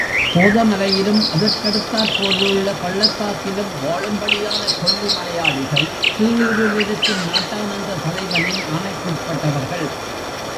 போதமலையிலும் அதற்கடுத்தாற்போலுள்ள பள்ளத்தாக்கிலும் வாழும்படியான கொல்லி மலையாளிகள் கீழூரிலிருக்கும் நாட்டான் என்ற தலைவனின் ஆணைக்குட்பட்டவர்கள்.